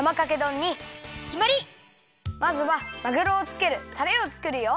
まずはまぐろをつけるたれをつくるよ。